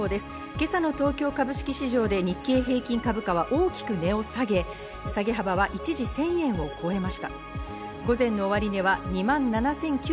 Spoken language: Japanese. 今朝の東京株式市場で日経平均株価は大きく値を下げ、下げ幅は一時１０００円を超えました。